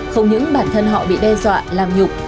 không những bản thân họ bị đe dọa làm nhục